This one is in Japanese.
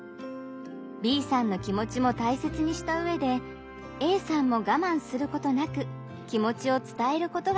Ｂさんの気持ちも大切にした上でＡさんもがまんすることなく気持ちを伝えることができます。